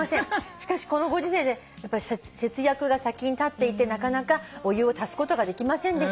しかしこのご時世で節約が先にたっていてなかなかお湯を足すことができませんでした」